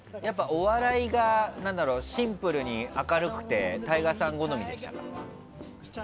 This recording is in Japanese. お笑いがシンプルに明るくてＴＡＩＧＡさん好みでしたか？